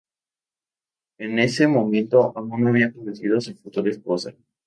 En ese momento aún no había conocido a su futura esposa.